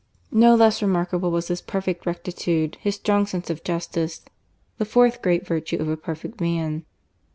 No less remarkable was his perfect rectitude, his strong sense of justice^ the fourth great virtue of a perfect man.